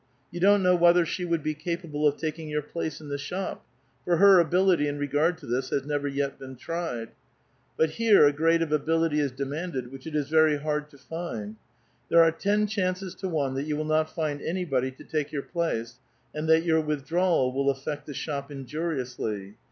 You don't kuow whether she would be capable of taking your place in the shop ; for her ability in regard to this has never yet been tried. But here a grade of abihty is demanded which it is very hard to find. There are ten chances to one that you will not find an\ body to take your place, and that your withdrawal will affect the shop injur iousl}'.